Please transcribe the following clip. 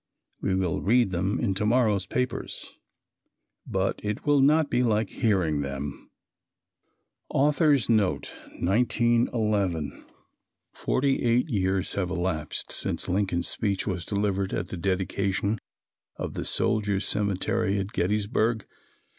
We will read them in to morrow's papers, but it will not be like hearing them. Author's Note, 1911. Forty eight years have elapsed since Lincoln's speech was delivered at the dedication of the Soldiers' Cemetery at Gettysburg.